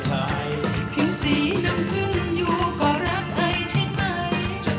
เพียงสีน้ำกึ้งอยู่ก็รักไอใช่ไหม